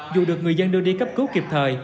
dù được người dân đưa đi cấp cứu kịp thời